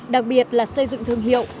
đặc biệt là xây dựng thương hiệu